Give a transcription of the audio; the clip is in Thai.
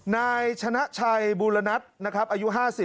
นายชนะชัยบูรณัทนะครับอายุ๕๐